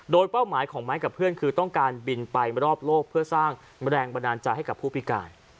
โดยเป้าหมายของไม้กับเพื่อนคือต้องการบินไปรอบโลกเพื่อสร้างแรงบันดาลใจให้กับผู้พิการ